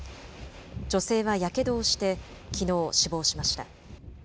女性はやけどをして、きのう死亡しました。